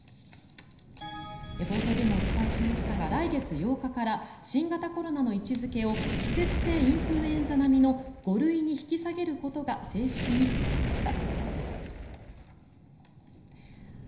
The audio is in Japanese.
冒頭でもお伝えしましたが来月８日から新型コロナの位置付けを季節性インフルエンザ並みの５類に引き下げることが正式に決まりました。